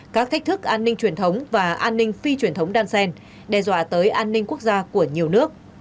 các thách thức an ninh truyền thống và an ninh phi truyền thống đan sen đe dọa tới an ninh quốc gia của nhiều nước